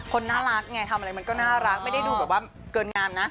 คนน่ารักไงทำอะไรมันก็น่ารักไม่ได้ดูแบบว่าเกินงามนะ